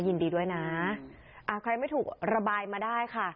ยินดีด้วยนะอ่าใครไม่ถูกระบายมาได้ค่ะ